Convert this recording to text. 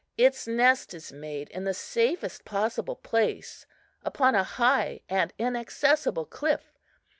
Its nest is made in the safest possible place, upon a high and inaccessible cliff.